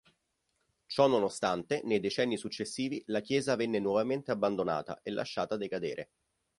Ciò nonostante nei decenni successivi la chiesa venne nuovamente abbandonata e lasciata decadere.